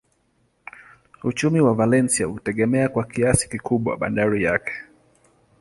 Uchumi wa Valencia hutegemea kwa kiasi kikubwa bandari yake.